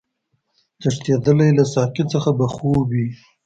تښتېدلی له ساقي څخه به خوب وي